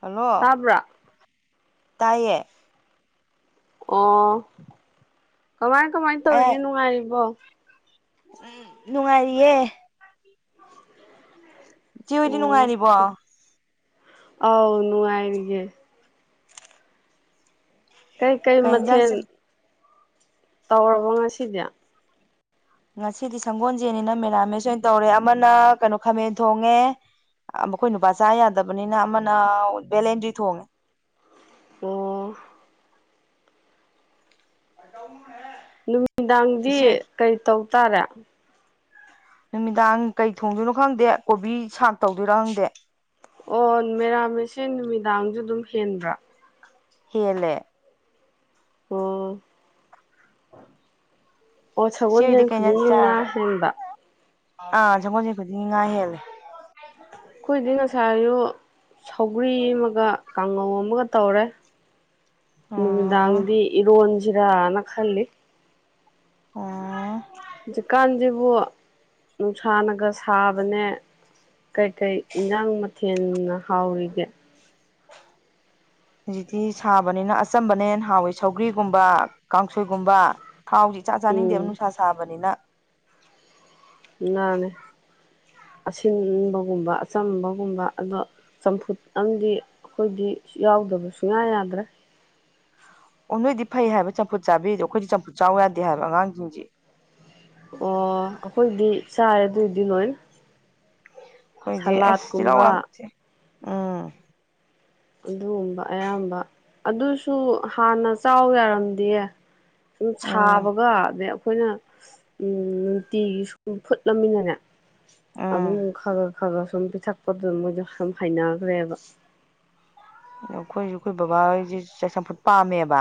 Hello ꯇꯥꯕ꯭ꯔꯥ ꯇꯥꯢꯌꯦ ꯑꯣ ꯀꯃꯥꯏ ꯀꯃꯥꯏ ꯇꯧꯔꯤꯒꯦ ꯅꯨꯡꯉꯥꯏꯔꯤꯕꯣ ꯎꯝ ꯅꯨꯡꯉꯥꯏꯔꯤꯌꯦ ꯏꯆꯦ ꯍꯣꯏꯗꯤ ꯑꯣ ꯅꯨꯡꯉꯥꯏꯔꯤꯕꯣ ꯑꯥꯎ ꯅꯨꯡꯉꯥꯏꯔꯤꯌꯦ ꯀꯩꯀꯩ ꯀꯩ ꯌꯦꯟꯖꯥꯡ ꯃꯊꯦꯟ ꯇꯧꯔꯕꯣ ꯉꯁꯤꯗꯤ ꯉꯁꯤꯗꯤ ꯁꯪꯒꯣꯟꯖꯦꯟꯅꯤꯅ ꯃꯦꯔꯥꯃꯦꯁ ꯑꯣꯏꯅ ꯇꯧꯔꯦ ꯑꯃꯅ ꯀꯅꯣ ꯈꯥꯃꯦꯟ ꯊꯣꯡꯉꯦ [inaudible] ꯃꯈꯣꯏ ꯅꯨꯄꯥ ꯆꯥ ꯌꯥꯗꯕꯅꯤꯅ ꯑꯃꯅ ꯕꯦꯂꯦꯟꯗ꯭ꯔꯤ ꯊꯣꯡꯉꯦ ꯑꯣ ꯑꯥ ꯇꯧꯅꯨ ꯍꯦ ꯅꯨꯡꯗꯥꯡꯗꯤ ꯀꯔꯤ ꯇꯧ ꯇꯥꯔꯦ ꯅꯨꯃꯤꯗꯥꯡ ꯀꯩ ꯊꯣꯡꯗꯣꯏꯅꯣ ꯈꯪꯗꯦ ꯀꯣꯕꯤ ꯁꯥꯛ ꯇꯧꯗꯣꯏꯔꯥ ꯈꯪꯗꯦ ꯑꯣ ꯃꯦꯔꯥꯃꯦꯁꯁꯦ ꯅꯨꯃꯤꯗꯥꯡꯖꯨ ꯑꯗꯨꯝ ꯍꯦꯟꯕ꯭ꯔꯣ ꯍꯦꯜꯂꯦ ꯑꯣ ꯑꯣ ꯏꯆꯦ ꯍꯣꯏꯗꯤ ꯁꯒꯣꯟꯖ‌ꯦꯟ ꯀꯩ ꯏꯟꯖꯥꯡ ꯈꯨꯗꯤꯡꯒꯤ ꯉꯥ ꯆꯥꯔꯒꯦ ꯍꯦꯟꯕ ꯑꯥ ꯁꯒꯣꯟꯖꯦꯟ ꯈꯨꯗꯤꯡꯒꯤ ꯉꯥ ꯍꯦꯜꯂꯦ ꯑꯈꯣꯏꯗꯤ ꯉꯁꯥꯏꯑꯌꯨꯛ ꯁꯧꯒ꯭ꯔꯤ ꯑꯃꯒ ꯀꯥꯡꯉꯧ ꯑꯃꯒ ꯇꯧꯔꯦ ꯑꯣ ꯅꯨꯃꯤꯗꯥꯡꯗꯤ ꯏꯔꯣꯟꯖꯤꯔꯅ ꯈꯜꯂꯤ ꯑꯥꯑ [inaudible] ꯍꯧꯖꯤꯛꯀꯥꯟꯖꯤꯕꯨ ꯅꯨꯡꯁꯥꯅꯒ ꯁꯥꯕꯅꯦ ꯀꯩꯀꯩ ꯏꯟꯖꯥꯡ ꯃꯊꯦꯟꯅ ꯍꯥꯎꯔꯤꯒꯦ ꯍꯧꯖꯤꯛꯇꯤ ꯁꯥꯕꯅꯤꯅ ꯑꯆꯝꯕꯅ ꯍꯦꯟꯅ ꯍꯥꯎꯋꯤ ꯁꯧꯒ꯭ꯔꯤꯒꯨꯝꯕ ꯀꯥꯡꯁꯣꯏꯒꯨꯝꯕ ꯊꯥꯎꯖꯤ ꯢꯆꯥ ꯆꯥꯅꯤꯡꯗꯦꯕ ꯎꯝ ꯅꯨꯡꯁꯥ ꯁꯥꯕꯅꯤꯅ ꯅꯥꯅꯦ ꯑꯁꯤꯟꯕꯒꯨꯝꯕ ꯑꯆꯝꯕꯒꯨꯝꯕ ꯑꯗꯣ ꯆꯝꯐꯨꯠ ꯑꯃꯗꯤ ꯑꯈꯣꯏꯗꯤ ꯌꯥꯎꯗꯕ ꯁꯨꯡꯌꯥ ꯌꯥꯗ꯭ꯔꯦ ꯑꯣ ꯅꯣꯏꯗꯤ ꯐꯩ ꯍꯥꯏꯕ ꯆꯝꯐꯨꯠ ꯆꯥꯕꯤꯔꯤꯗꯣ ꯑꯈꯣꯏꯗꯤ ꯆꯝꯐꯨꯠ ꯆꯥꯎ ꯌꯥꯗꯦ ꯍꯥꯏꯕ ꯑꯉꯥꯡꯖꯤꯡꯖ‌ꯦ ꯑꯣ ꯑꯈꯣꯏꯗꯤ ꯆꯥꯏ ꯑꯗꯨꯗꯤ ꯂꫭꯏꯅ ꯑꯈꯣꯏꯗꯤ ꯑꯁ ꯆꯤꯜꯍꯥꯎ ꯌꯥꯝꯊꯤ ꯎꯝ꯫ ꯑꯗꯨꯒꯨꯝꯕ ꯑꯌꯥꯝꯕ ꯑꯗꯨꯁꯨ ꯍꯥꯟꯅ ꯆꯥꯎ ꯌꯥꯔꯝꯗꯤꯌ‌ꯦ꯫ ꯁꯨꯝ ꯎꯝ ꯁꯥꯕꯒ ꯑꯗꯩ ꯑꯈꯣꯏꯅ ꯅꯨꯡꯇꯤꯒꯤ ꯁꯨꯝ ꯐꯨꯠꯂꯝꯅꯤꯅꯅꯦ꯫ ꯑꯗꯨꯝ ꯎꯝ ꯈꯔ ꯒ ꯈꯔ ꯒ ꯁꯨꯝ ꯄꯤꯊꯛꯄꯗꯨꯗ ꯃꯣꯏꯗꯨ ꯁꯨꯝ ꯍꯩꯅꯒ꯭ꯔꯦꯕ꯫ ꯑꯈꯣꯏꯁꯨ ꯑꯈꯣꯏ ꯕꯕꯥ ꯍꫭꯏꯁꯦ ꯆꯥ ꯆꯝꯐꯨꯠ ꯄꯥꯝꯃꯦꯕ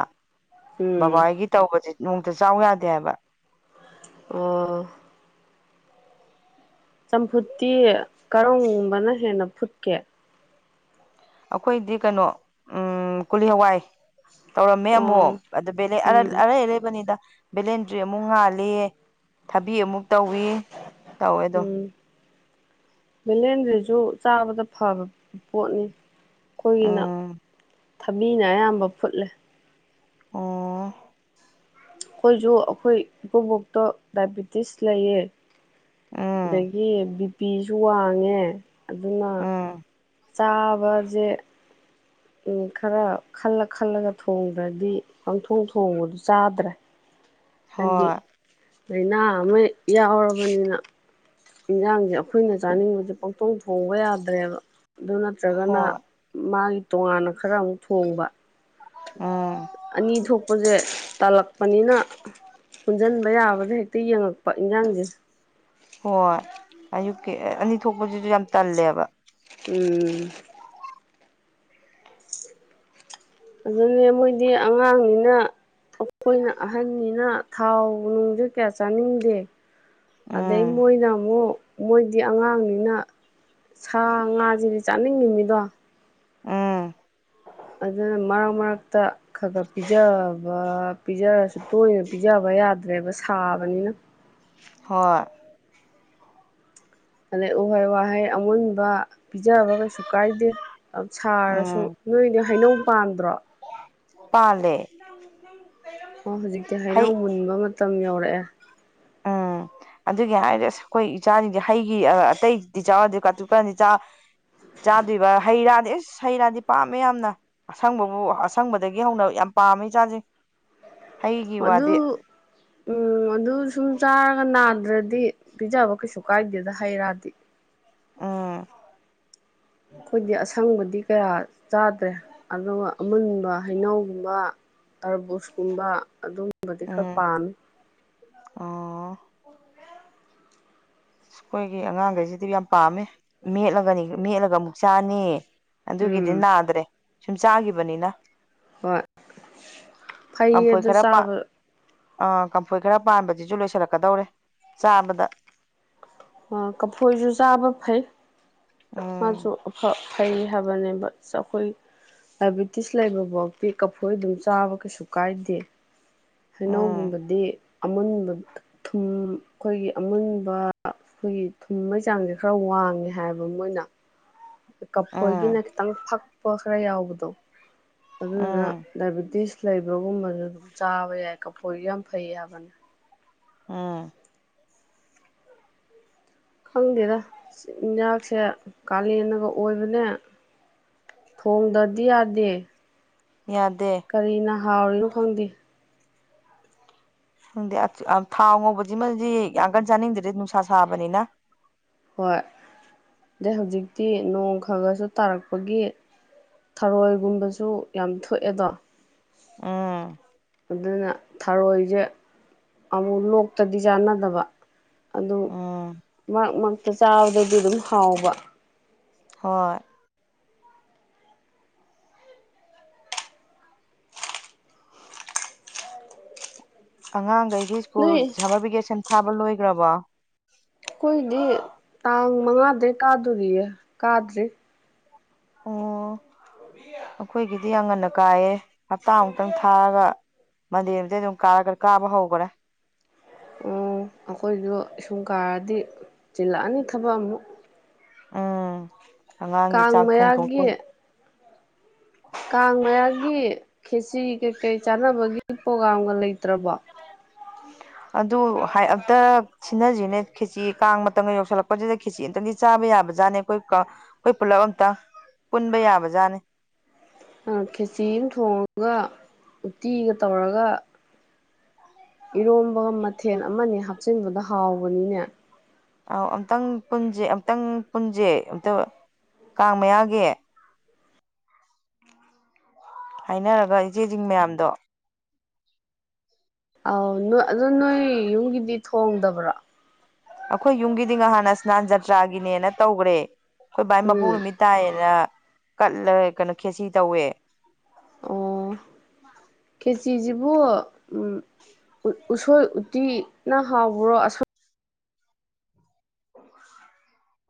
ꯎꯝ ꯕꯕꯥꯒꯤ꯫ ꯇꯧꯕꯁꯦ ꯅꫭꯡꯇ ꯆꯥꯎ ꯌꯥꯗꯦ ꯍꯥꯏꯕ꯫ ꯑꫭ꯫ ꯆꯝꯐꯨꯠꯇꯤ ꯀꯔꯝꯕꯅ ꯍꯦꯟꯅ ꯐꯨꯠꯀꯦ꯫ ꯑꯈꯣꯏꯗꯤ ꯀꯩꯅꯣ ꯎꯝ ꯀꯨꯂꯤ ꯍꯋꯥꯏ꯫ ꯇꯧꯔꯝꯃꯦ ꯑꯃꯨꯛ ꯑꯣ ꯑꯗꯨ ꯕꯦꯂꯦ ꯎꯝ ꯑꯔꯩ ꯑꯔꯩꯕꯅꯤꯗ꯫ ꯕꯦꯂꯦꯟꯗ꯭ꯔꯤ ꯑꯃꯨꯛ ꯉꯥꯜꯂꯤ ꯊꯕꯤ ꯑꯃꯨꯛ ꯇꯧꯏ꯫ ꯇꯧꯋꯦ ꯑꯗꯨꯝ ꯎꯝ ꯕꯦꯂꯦꯟꯗ꯭ꯔꯤꯁꯨ ꯆꯥꯕꯗ ꯐꯕ ꯄꯣꯠꯅꯤ꯫ ꯑꯈꯣꯏꯒꯤꯅ ꯎꯝ ꯊꯕꯤꯅ ꯑꯌꯥꯝꯕ ꯐꯨꯠꯂꯦ꯫ ꯑꯣꯥ꯫ ꯑꯈꯣꯏꯁꯨ ꯑꯈꯣꯏ ꯏꯀꯨꯕꯣꯛꯇꫭ ꯗꯥꯏꯕꯤꯇꯤꯁ ꯂꯩꯌꯦ꯫ ꯎꯝ ꯑꯗꯒꯤ ꯕꯤ ꯄꯤꯁꯨ ꯋꯥꯡꯉꯦ ꯑꯗꯨꯅ꯫ ꯎꯝ ꯆꯥꯕꯁꯦ ꯎꯝ ꯈꯔ ꯈꯜꯂ ꯈꯜꯂꯒ ꯊꯣꯡꯗ꯭ꯔꯗꯤ ꯄꯪꯊꯣꯡ ꯊꯣꯡꯕꯗꯨ ꯆꯥꯗ꯭ꯔꯦ꯫ ꯍꯥꯏꯗꯤ ꯍꯣꯏ ꯂꯩꯅꯥ ꯑꯃ ꯌꯥꯎꯔꯕꯅꯤꯅ꯫ ꯏꯟꯁꯥꯡꯁꯦ ꯑꯈꯣꯏꯅ ꯆꯥꯅꯤꯡꯕꯁꯦ ꯄꯪꯊꯣꯡ ꯊꯣꯡꯕ ꯌꯥꯗ꯭ꯔꯦꯕ꯫ ꯑꯗꯨ ꯅꯠꯇ꯭ꯔꯒꯅ ꯍꯣꯏ ꯃꯥꯒꯤ꯫ ꯇꯣꯉꯥꯟꯅ ꯈꯔ ꯑꯃꯨꯛ ꯊꯣꯡꯕ ꯎꯝ ꯑꯅꯤ ꯊꯣꯛꯄꯁꯦ ꯇꯜꯂꯛ꯫ ꯄꯅꯤꯅ꯫ ꯄꯨꯟꯖꯤꯟꯕ ꯌꯥꯕꯗ ꯍꯦꯛꯇ ꯌꯦꯡꯉꯛꯄ ꯏꯟꯖꯥꯡꯁꯦ꯫ ꯍꯣꯏ ꯑꯌꯨꯛꯀꯤ ꯑꯅꯤ ꯊꯣꯛꯄꯁꯤꯁꯨ ꯌꯥꯝ ꯇꯜꯂꯦꯕ꯫ ꯎꯝ꯫ ꯑꯗꯨꯅꯦ ꯃꯣꯏꯗꯤ ꯑꯉꯥꯡꯅꯤꯅ꯫ ꯑꯈꯣꯏꯅ ꯑꯍꯟꯅꯤꯅ ꯊꯥꯎ ꯅꯨꯡꯁꯨ ꯀꯌꯥ ꯆꯥꯅꯤꯡꯗꯦ꯫ ꯑꯗꯩ ꯎꯝ ꯃꯣꯏꯅ ꯑꯃꯨꯛ ꯃꯣꯏꯗꯤ ꯑꯉꯥꯡꯅꯤꯅ꯫ ꯁꯥ ꯉꯥꯁꯤꯗꯤ ꯆꯥꯅꯤꯡꯉꯤꯝꯅꯤꯗꯣ꯫ ꯎꯝ꯫ ꯑꯗꯨꯅ ꯃꯔꯛ ꯃꯔꯛꯇ꯫ ꯈꯔ ꯈꯔ ꯄꯤꯖꯕ ꯄꯤꯖꯔꯁꯨ ꯇꯣꯏꯅ ꯄꯤꯖꯕ ꯌꯥꯗ꯭ꯔꯦꯕ ꯁꯥꯕꯅꯤꯅ꯫ ꯍꯣꯏ꯫ ꯑꯗꯩ ꯎꯍꯩ ꯋꯥꯍꯩ ꯑꯃꯨꯟꯕ ꯄꯤꯖꯕ ꯀꯩꯁꯨ ꯀꯥꯏꯗꯦ ꯁꯥꯔꯁꯨ ꯎꯝ ꯅꯣꯏꯗꯤ ꯍꯩꯅꯧ ꯄꯥꯟꯗ꯭ꯔꯣ? ꯄꯥꯜꯂꯦ [unintelligible] ꯑꯣ ꯍꯧꯖꯤꯛꯇꯤ ꯍꯩꯅꯧ ꯍꯩ ꯃꯨꯟꯕ ꯃꯇꯝ ꯌꯧꯔꯛꯑꯦ ꯎꯝ ꯑꯗꯨꯒꯤ ꯍꯥꯏꯔꯗꯤ ꯑꯁ ꯑꯩꯈꯣꯏ ꯏꯆꯥꯁꯤꯡꯗꯤ ꯍꯩꯒꯤ ꯑꯇꯩꯗꯤ ꯆꯥꯎ ꯌꯥꯗꯦ ꯀꯥꯇꯨ ꯀꯔꯟꯗꯤ ꯆꯥ ꯆꯥꯗꯣꯏꯕ ꯍꯩ ꯔꯥꯗꯤ ꯏꯁ ꯍꯩ ꯔꯥꯗꯤ ꯄꯥꯝꯃꯦ ꯌꯥꯝꯅ ꯑꯁꯪꯕꯕꯨ ꯑꯁꯪꯕꯗꯒꯤ ꯍꯧꯅ ꯌꯥꯝ ꯄꯥꯝꯃꯦ ꯏꯆꯥꯁꯤꯡꯁꯦ ꯃꯗꯨ ꯎꯝ ꯑꯗꯨ ꯁꯨꯝ ꯆꯥꯔꯒ ꯅꯥꯗ꯭ꯔꯗꯤ ꯄꯤꯖꯕ ꯀꯩꯁꯨ ꯀꯥꯏꯗꯦꯗ ꯍꯩꯔꯥꯗꯤ ꯎꯝ ꯑꯩꯈꯣꯏꯗꯤ ꯑꯁꯪꯕꯗꯤ ꯀꯌꯥ ꯆꯥꯗ꯭ꯔꯦ ꯑꯗꯨꯒ ꯑꯃꯨꯟꯕ ꯍꯩꯅꯧꯒꯨꯝꯕ ꯇꯔꯕꯨꯁꯀꯨꯝꯕ ꯑꯗꯨꯝꯕꯗꯤ ꯈꯔ ꯎꯝ ꯄꯥꯝꯃꯤ ꯑꯣ [inaudible] ꯑꯩꯈꯣꯏꯒꯤ ꯑꯉꯥꯡꯈꯩꯁꯤꯗꯤ ꯌꯥꯝ ꯄꯥꯝꯃꯦ ꯃꯦꯠꯂꯒꯅꯤ ꯃꯦꯠꯂꯒ ꯑꯃꯨꯛ ꯆꯥꯅꯤ ꯎꯝ ꯑꯗꯨꯒꯤꯗꯤ ꯅꯥꯗ꯭ꯔꯦ ꯁꯨꯝ ꯆꯥꯒꯤꯕꯅꯤꯅ ꯍꯣꯏ ꯐꯩꯌꯦ ꯀꯝꯐꯣꯏ ꯑꯗꯨ ꯈꯔ ꯆꯥꯕ ꯑꯥ ꯀꯝꯐꯣꯏ ꯈꯔ ꯄꯥꯟꯕꯁꯤꯁꯨ ꯂꯣꯏꯁꯤꯜꯂꯛꯀꯗꯧꯔꯦ ꯆꯥꯕꯗ ꯑꯥ ꯀꯐꯣꯏꯁꯨ ꯆꯥꯕ ꯐꯩ ꯃꯥꯁꯨ ꯎꯝ ꯑꯐ ꯐꯩ ꯍꯥꯏꯕꯅꯦꯕ ꯑꯁ ꯑꯈꯣꯏ ꯗꯥꯏꯕꯦꯇꯤꯁ ꯂꯩꯕ ꯕꯥꯎꯗꯤ ꯀꯐꯣꯏ ꯑꯗꯨꯝ ꯆꯥꯕ ꯀꯩꯁꯨ ꯀꯥꯏꯗꯦ ꯎꯝ ꯍꯩꯅꯧꯒꯨꯝꯕꯗꯤ ꯑꯃꯨꯟꯕ ꯊꯨꯝ ꯑꯩꯈꯣꯏꯒꯤ ꯑꯃꯨꯟꯕ ꯑꯩꯈꯣꯏꯒꯤ ꯊꯨꯝꯃꯩ ꯆꯥꯡꯁꯦ ꯈꯔ ꯋꯥꯡꯉꯦ ꯍꯥꯏꯕ ꯃꯣꯏꯅ ꯀꯐꯣꯏꯒꯤꯅ ꯎꯝ ꯈꯤꯇꯪ ꯐꯛꯄ ꯈꯔ ꯌꯥꯎꯕꯗꯣ ꯑꯗꯨꯗꯨꯅ ꯎꯝ ꯗꯥꯏꯕꯦꯇꯤꯁ ꯂꯩꯕꯒꯨꯝꯕꯁꯨ ꯑꯗꯨꯝ ꯆꯥꯕ ꯌꯥꯏ ꯀꯐꯣꯏꯁꯨ ꯌꯥꯝ ꯐꯩ ꯍꯥꯏꯕꯅꯤ ꯎꯝ ꯈꯪꯗꯦꯗ ꯏꯤꯟꯖꯥꯛꯁꯦ ꯀꯥꯂꯦꯟꯅꯒ ꯑꯣꯏꯕꯅꯦ ꯊꯣꯡꯗꯗꯤ ꯌꯥꯗꯦ ꯌꯥꯗꯦ ꯀꯔꯤꯅ ꯍꯥꯎꯔꯤꯅꯣ ꯈꯪꯗꯦ ꯈꯪꯗꯦ ꯊꯥꯎ ꯉꯧꯕꯁꯤꯃꯗꯤ ꯌꯥꯝ ꯀꯟ ꯆꯥꯅꯤꯡꯗ꯭ꯔꯦ ꯅꯨꯡꯁꯥ ꯁꯥꯕꯅꯤꯅ ꯍꯣꯏ ꯗꯩ ꯍꯧꯖꯤꯛꯇꯤ ꯅꯣꯡ ꯈꯒꯁꯨ ꯇꯥꯔꯛꯄꯒꯤ ꯊꯔꯣꯏꯒꯨꯝꯕꯁꯨ ꯌꯥꯝ ꯊꯣꯛꯑꯦꯗꯣ ꯎꯝ ꯑꯗꯨꯅ ꯊꯔꯣꯏꯁꯦ ꯑꯃꯨꯛ ꯂꯣꯛꯇꯗꯤ ꯆꯥꯅꯗꯕ ꯑꯗꯨ ꯎꯝ ꯃꯔꯛ ꯃꯔꯛꯇ ꯆꯥꯕꯗꯗꯤ ꯑꯗꯨꯝ ꯍꯥꯎꯕ ꯍꯣꯏ ꯑꯉꯥꯡꯒꯩꯗꯤ ꯁ꯭ꯀꯨꯜ ꯅꯣꯏ ꯁꯝꯃꯔ ꯚꯦꯀꯦꯁꯟ ꯁꯥꯕ ꯂꯣꯏꯒ꯭ꯔꯕꯣ ꯑꯩꯈꯣꯏꯗꯤ ꯇꯥꯡ ꯃꯉꯥꯗꯩ ꯀꯥꯗꯣꯔꯤꯌꯦ ꯀꯥꯗ꯭ꯔꯤ ꯑꯣ ꯑꯩꯈꯣꯏꯒꯤꯗꯤ ꯌꯥꯝ ꯉꯟꯅ ꯀꯥꯏꯌꯦ ꯍꯞꯇꯥꯃꯨꯛꯇꯪ ꯊꯥꯔꯒ ꯃꯟꯗꯦ ꯅꯨꯃꯤꯇꯩ ꯑꯗꯨꯝ ꯀꯔ ꯀꯥꯕ ꯍꯧꯒ꯭ꯔꯦ ꯑꯣ ꯑꯩꯈꯣꯏꯖꯨ ꯏꯁꯨꯝ ꯀꯥꯔꯗꯤ ꯆꯤꯜꯂꯛꯑꯅꯤ ꯊꯕꯛ ꯑꯃꯨꯛ ꯎꯝ ꯑꯉꯥꯡꯒꯤ ꯀꯥꯡ ꯆꯥꯛ ꯊꯣꯡꯊꯣꯛꯄ ꯃꯌꯥꯒꯤ ꯀꯥꯡ ꯃꯌꯥꯒꯤ ꯈꯦꯆ꯭ꯔꯤ ꯀꯩ ꯀꯩ ꯆꯥꯅꯕꯒꯤ ꯄ꯭ꯔꯣꯒꯥꯝꯒ ꯂꯩꯇ꯭ꯔꯕꯣ ꯑꯗꯨ ꯍꯥꯏ ꯑꯝꯇ ꯁꯤꯟꯅꯁꯤꯅꯦ ꯈꯦꯆꯤ ꯀꯥꯡ ꯃꯇꯝꯒ ꯌꯧꯁꯤꯜꯂꯛꯄꯁꯤꯗ ꯈꯦꯆꯤ ꯑꯃꯇꯪꯗꯤ ꯆꯥꯕ ꯌꯥꯕꯖꯥꯠꯅꯦ ꯑꯩꯈꯣꯏ ꯑꯩꯈꯣꯏ ꯄꯨꯜꯂꯞ ꯑꯝꯇꯪ ꯄꯨꯟꯕ ꯌꯥꯕ ꯖꯥꯠꯅꯤ ꯑꯪ ꯈꯦꯆꯤ ꯑꯃ ꯊꯣꯡꯉꯒ ꯎꯇꯤꯒ ꯇꯧꯔꯒ ꯏꯔꯣꯝꯕꯒ ꯃꯊꯦꯟ ꯑꯃꯅꯤ ꯍꯥꯞꯆꯤꯟꯕꯗꯣ ꯍꯥꯎꯕꯅꯤꯅꯦ ꯑꯧ ꯑꯝꯇꯪ ꯄꯨꯟꯁꯦ ꯑꯝꯛꯇꯪ ꯄꯨꯟꯁꯦ ꯑꯝꯇ ꯀꯥꯡ ꯃꯌꯥꯒꯤ ꯍꯥꯏꯅꯔꯒ ꯏꯆꯦꯖꯤꯡ ꯃꯌꯥꯝꯗꯣ ꯑꯥꯎ ꯅꯣꯏ ꯑꯗꯨꯣ ꯅꯣꯏ ꯌꯨꯝꯒꯤꯗꯤ ꯊꯣꯡꯗꯕ꯭ꯔꯣ ꯑꯩꯈꯣꯏ ꯌꯨꯝꯒꯤꯗꯤ ꯉꯍꯥꯟꯅ ꯁ꯭ꯅꯥꯟ ꯖꯇ꯭ꯔꯥꯒꯤꯅꯦꯅ ꯇꯧꯒ꯭ꯔꯦ ꯑꯩꯈꯣꯏ ꯕꯥꯏ ꯃꯄꯣꯛ ꯎꯝ ꯅꯨꯃꯤꯠ ꯇꯥꯏꯌꯦꯅ ꯀꯠꯂꯒ ꯀꯩꯅꯣ ꯈꯦꯁꯤ ꯇꯧꯋꯦ ꯑꯣꯑꯣ ꯈꯦꯆꯤꯖꯤꯕꯨ ꯎꯝ ꯎ ꯎꯁꯣꯏ ꯎꯇꯤꯅ ꯍꯥꯎꯕ꯭ꯔꯣ ꯑꯁꯪ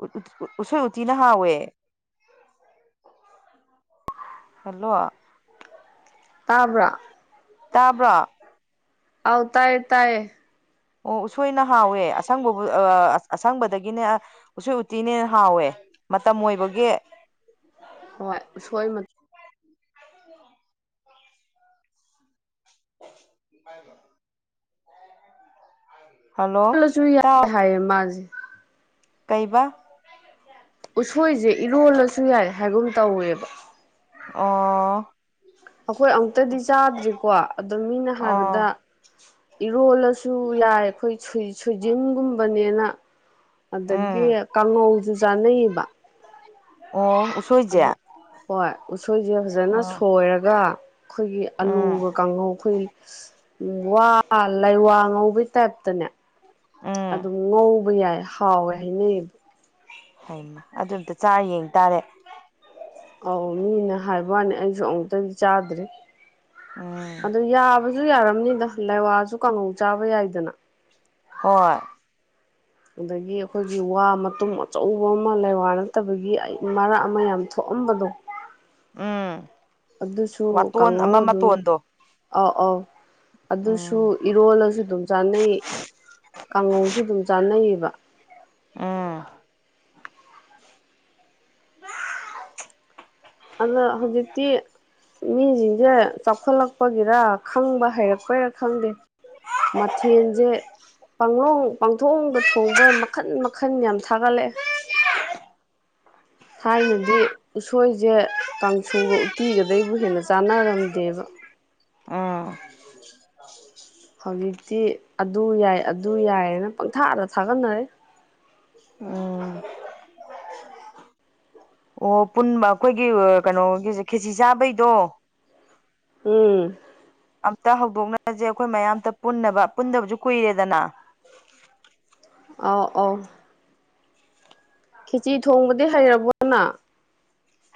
ꯎꯠꯎꯠ ꯎꯁꯣꯏ ꯎꯇꯤꯅ ꯍꯥꯥꯎꯋꯦ ꯍꯜꯂꯣꯑꯣ ꯇꯥꯕ꯭ꯔꯥ ꯇꯥꯕ꯭ꯔꯣ ꯑꯧꯇꯥꯢꯌꯦ ꯇꯥꯢꯌꯦ ꯑꯣ ꯎꯁꯣꯏꯅ ꯍꯥꯎꯋꯦ ꯑꯁꯪꯕꯕꯨꯑꯥꯑ ꯑꯁꯪꯕꯗꯒꯤꯅꯦ ꯎꯁꯣꯢ ꯎꯇꯤꯅ ꯍꯥꯎꯋꯦ ꯃꯇꯝ ꯑꯣꯏꯕꯒꯤ ꯍꯣꯏ ꯎꯁꯣꯏ ꯃ ꯍꯥꯏꯕ꯭ꯔꯣ ꯍꯜꯂꯣ ꯈꯜꯂꯖꯨ ꯌꯥꯏ ꯍꯥꯏꯌꯦ ꯃꯥꯖꯦ ꯀꯩꯕꯥ ꯎꯁꯣꯏꯖꯦ ꯏꯔꯣꯜꯂꯁꯨ ꯌꯥꯏ ꯍꯥꯏꯒꯨꯝ ꯇꯧꯋꯦꯕ ꯑꯣꯑꯣ ꯑꯩꯈꯣꯏ ꯑꯃꯨꯛꯇꯗꯤ ꯆꯥꯗ꯭ꯔꯤꯀꯣ ꯑꯗꯣ ꯃꯤꯅ ꯍꯥꯏꯕꯗ ꯑꯣ ꯏꯔꯣꯜꯂ ꯁꯨ ꯌꯥꯏ ꯑꯩꯈꯣꯏ ꯁꯨꯢ ꯁꯨꯏꯖꯤꯟꯒꯨꯝꯕꯅꯦꯅ ꯑꯥꯗꯒꯤ ꯎꯝ ꯀꯥꯡꯉꯧꯁꯨ ꯆꯥꯅꯩꯌꯦꯕ ꯑꯣꯑꯣ ꯎꯁꯣꯏ ꯑꯗꯣ ꯍꯣꯏ ꯎꯁꯣꯏꯖꯦ ꯐꯖꯅ ꯑꯥ ꯁꯣꯏꯔꯒ ꯑꯩꯈꯣꯏꯒꯤ ꯎꯝ ꯑꯂꯨꯒ ꯀꯥꯡꯉꯧ ꯑꯩꯈꯣꯏꯒꯤ ꯎ ꯋꯥ ꯂꯩꯋꯥ ꯉꯧꯕꯩ ꯇꯥꯏꯞꯇꯅꯦ ꯎꯝ ꯑꯗꯨꯝ ꯉꯧꯕ ꯌꯥꯏ ꯍꯥꯎꯋꯦ ꯍꯥꯏꯅꯩꯕ ꯍꯩꯃ ꯑꯗꯨ ꯑꯝꯇ ꯆꯥꯔ ꯌꯦꯡ ꯇꯥꯔꯦ ꯑꯧ ꯃꯤꯅ ꯍꯥꯏꯕ ꯋꯥꯅꯤ ꯑꯩꯖꯨ ꯑꯃꯨꯛꯇꯗꯤ ꯆꯥꯗ꯭ꯔꯤ ꯑꯥ ꯑꯗꯣ ꯌꯥꯕꯁꯨ ꯌꯥꯔꯝꯅꯤꯗ ꯂꯩꯋꯥꯁ꯫ꯗꯨ ꯀꯥꯡꯉꯧ ꯆꯥꯕ ꯌꯥꯏꯗꯅ ꯍꯣꯢ ꯑꯗꯒꯤ ꯑꯩꯈꯣꯏꯒꯤ ꯋꯥ ꯃꯇꯨꯝ ꯑꯆꯧꯕ ꯑꯃ ꯂꯩꯋꯥ ꯅꯠꯇꯕꯒꯤ ꯑꯩ ꯃꯔꯛ ꯑꯃ ꯌꯥꯝ ꯊꯣꯛꯑꯝꯕꯗꯣ ꯎꯪ ꯑꯗꯨꯁꯨ ꯀꯥꯡꯍꯧ ꯑꯗꯨꯝ ꯑꯧ ꯑꯣꯑꯣ ꯑꯗꯨꯁꯨ ꯎꯝ ꯏꯔꯣꯜꯂꯁꯨ ꯑꯗꯨꯝ ꯆꯥꯅꯩ ꯀꯥꯡꯉꯧꯁꯨ ꯑꯗꯨꯝ ꯆꯥꯅꯩꯌꯦꯕ ꯎꯪ ꯑꯗꯣꯍꯧꯖꯤꯛꯇꯤ ꯃꯤꯁꯤꯡꯖꯦ ꯆꯥꯎꯈꯠꯂꯛꯄꯒꯤꯔ ꯈꯪꯕ ꯍꯩꯔꯛꯄꯩꯔꯥ ꯈꯪꯗꯦ ꯃꯊꯦꯟꯖꯦ ꯄꯪꯂꯣꯡ ꯄꯪꯊꯣꯡꯗ ꯊꯣꯡꯕ ꯃꯈꯟ ꯃꯈꯟ ꯌꯥꯝ ꯊꯥꯒꯠꯂꯛꯑꯦ ꯊꯥꯏꯅꯗꯤ ꯎꯁꯣꯏꯖꯦ ꯀꯥꯡꯁꯨꯒ ꯎꯠꯇꯤꯒꯗꯩꯕꯨ ꯍꯦꯟꯅ ꯆꯥꯟꯅꯔꯝꯗꯦꯕ INAUDIBLE ꯍꯧꯖꯤꯛꯇꯤ ꯑꯗꯨ ꯌꯥꯏ ꯑꯗꯨ ꯌꯥꯏꯌꯦꯅ ꯄꯪꯊꯥꯗ ꯊꯥꯒꯠꯅꯔꯛꯢ UNINTELLIGIBLE ꯑꯣ ꯄꯨꯟꯕ ꯑꯩꯈꯣꯏꯒꯤ ꯀꯩꯅꯣꯒꯤꯖꯦ ꯈꯦꯆꯤ ꯆꯥꯕꯩꯗꯣ ꯎꯪ ꯑꯝꯇ ꯍꯧꯗꯣꯛꯅꯖꯦ ꯑꯩꯈꯣꯏ ꯃꯌꯥꯝ ꯑꯇ ꯄꯨꯟꯅꯕ ꯄꯨꯟꯗꯕꯁꯨ ꯀꯨꯏꯔꯦꯗꯅ ꯑꯧ ꯑꯧ ꯈꯦꯆꯤ ꯊꯣꯡꯕꯗꯤ ꯍꯩꯔꯕꯣꯅ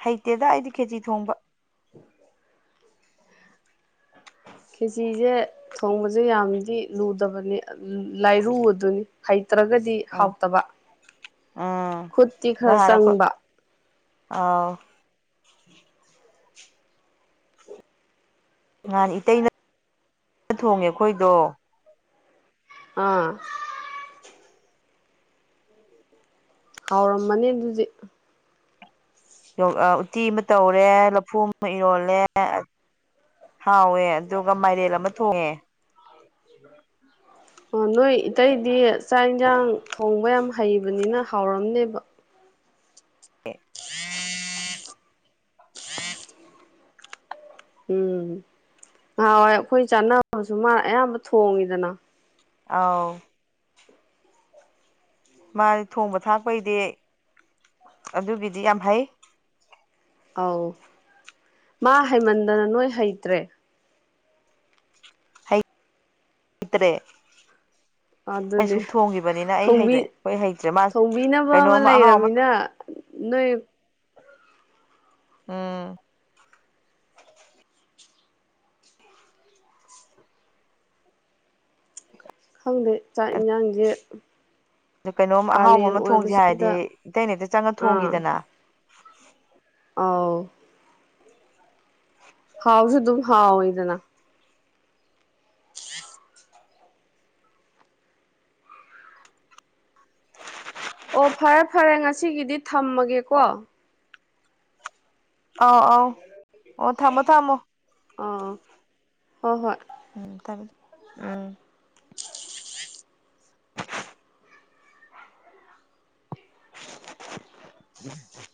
ꯍꯩꯇꯦꯗ ꯑꯩꯗꯤ ꯈꯦꯆꯤ ꯊꯣꯡꯕ [unintelligible] ꯈꯦꯆꯤꯖꯦ ꯊꯣꯡꯕꯖꯨ ꯌꯥꯝꯗꯤ ꯂꯨꯗꯕꯅꯤ ꯂꯥꯏꯔꯨꯑꯗꯨꯅꯤ ꯍꯩꯇ꯭ꯔꯒꯗꯤ ꯎꯝ ꯍꯥꯎꯇꯕ ꯎꯝ ꯈꯨꯠꯇꯤ ꯈꯔ ꯆꯪꯕ ꯑꯥ ꯅꯍꯥꯟ ꯏꯇꯩꯅ ꯊꯣꯡꯉꯦ ꯑꯈꯣꯏꯗꯣ ꯑꯥ ꯍꯥꯎꯔꯝꯃꯅꯤ ꯑꯗꯨꯗꯤ ꯎꯠꯇꯤ ꯑꯃ ꯇꯧꯔꯦ ꯂꯐꯨ ꯑꯃ ꯏꯔꯣꯜꯂꯦ ꯍꯥꯎꯋꯦ ꯑꯗꯨꯒ ꯃꯥꯏꯔꯦꯜ ꯑꯃ ꯊꯣꯡꯉꯦ [unintelligible] ꯑꯣ ꯅꯣꯏ ꯏꯇꯩꯗꯤ ꯆꯥꯛ ꯏꯟꯖꯥꯡ ꯊꯣꯡꯕ ꯌꯥꯝ ꯍꯩꯕꯅꯤꯅ ꯍꯥꯎꯔꯝꯅꯦꯕ ꯑꯦ [inaudible] ꯎꯝ ꯉꯍꯥꯟꯋꯥꯏ ꯑꯩꯈꯣꯏꯅ ꯆꯥꯟꯅꯕꯁꯨ ꯃꯥꯅ ꯑꯌꯥꯝꯕ ꯊꯣꯡꯉꯤꯗꯅ ꯑꯥꯎ ꯃꯥꯗꯤ ꯊꯣꯡꯕ ꯊꯥꯛꯄꯩꯗꯤ ꯑꯗꯨꯒꯤꯗꯤ ꯌꯥꯝ ꯍꯩ ꯑꯧ ꯃꯥ ꯍꯩꯃꯟꯗꯅ ꯅꯣꯏ ꯍꯩꯇ꯭ꯔꯦ ꯍꯩꯇ꯭ꯔꯦ ꯃꯣꯏ ꯑꯗꯨꯅꯦ ꯁꯨꯝ ꯊꯣꯡꯒꯤꯕꯅꯤꯅ ꯑꯩ ꯍꯩꯇ꯭ꯔꯦ ꯊꯣꯡꯕꯤ ꯍꯣꯏ ꯍꯩꯇ꯭ꯔꯦ ꯃꯥꯁꯦ ꯊꯣꯡꯕꯤꯅꯕ ꯑꯃ ꯀꯩꯅꯣꯃ ꯑꯍꯥꯎ ꯑꯃ ꯂꯩꯔꯃꯤꯅ ꯅꯣꯏ ꯎꯝ ꯈꯪꯗꯦ ꯆꯥꯛ ꯌꯦꯟꯖꯥꯡꯖꯦ ꯑꯗꯨ ꯀꯩꯅꯣꯝ ꯑꯍꯥꯎꯕ ꯑꯃ ꯊꯣꯡꯖꯤ ꯍꯥꯏꯔꯗꯤ ꯑꯣꯏꯕꯁꯤꯗ ꯏꯇꯩꯅ ꯍꯦꯛꯇ ꯆꯪꯉ ꯑꯥ ꯊꯣꯡꯒꯤꯗꯅ ꯑꯥꯎ ꯍꯥꯎꯖꯨ ꯑꯗꯨꯝ ꯍꯥꯎꯋꯤꯗꯅ ꯑꯣ ꯐꯔꯦ ꯐꯔꯦ ꯉꯁꯤꯒꯤꯗꯤ ꯊꯝꯃꯒꯦꯀꯣ ꯑꯥꯎ ꯑꯥꯎ ꯑꯣ ꯊꯝꯃꯣ ꯊꯝꯃꯣ ꯑꯥ ꯍꯣꯏ ꯍꯣꯏ ꯎꯝ ꯊꯝꯃꯦ ꯎꯝ [unintelligible]